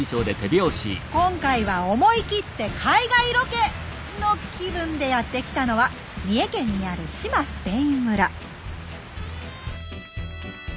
今回は思い切って海外ロケ！の気分でやって来たのは三重県にある志摩スペイン村。